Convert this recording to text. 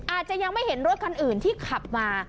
อาจจะยังไม่เห็นรถคันอื่นที่ขับมา